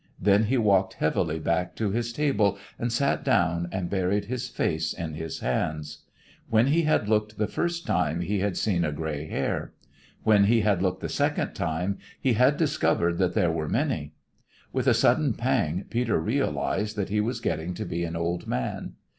Then he walked heavily back to his table and sat down and buried his face in his hands. When he had looked the first time he had seen a gray hair. When he had looked the second time he had discovered that there were many. With a sudden pang Peter realised that he was getting to be an old man.